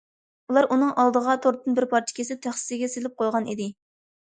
ئۇلار ئۇنىڭ ئالدىغا تورتتىن بىر پارچە كېسىپ تەخسىسىگە سېلىپ قويغان ئىدى.